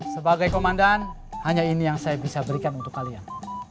sebagai komandan hanya ini yang saya bisa berikan untuk kalian